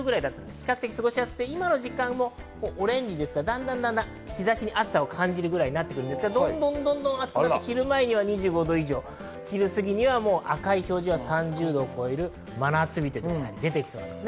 比較的過ごしやすくて、今の時間もオレンジでだんだんと日差しに暑さを感じるくらいになってきて、昼前には２５度以上、昼過ぎにはもう赤い表示は３０度を超える真夏日というところが出てきそうなんです。